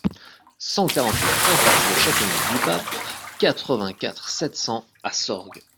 cent quarante-huit impasse de Châteauneuf-du-Pape, quatre-vingt-quatre, sept cents à Sorgues